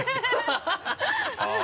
ハハハ